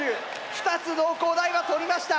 ２つ農工大は取りました。